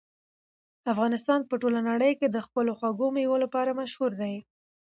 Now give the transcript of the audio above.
افغانستان په ټوله نړۍ کې د خپلو خوږو مېوو لپاره مشهور دی.